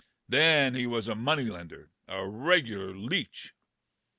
Then he was a money lender, a regular leech.